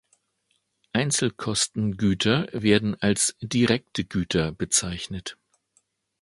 Einzelkosten-Güter werden als "direkte Güter" bezeichnet.